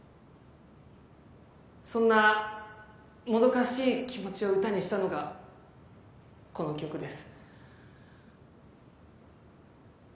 そんなもどかしい気持ちを歌にしたのがこの曲です。